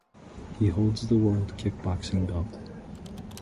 He holds the world kickboxing belt.